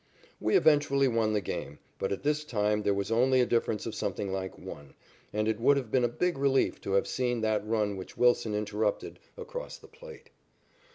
We eventually won the game, but at this time there was only a difference of something like one, and it would have been a big relief to have seen that run which Wilson interrupted across the plate.